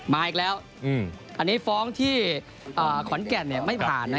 มาอีกแล้วอันนี้ฟ้องที่ขอนแก่นไม่ผ่านนะ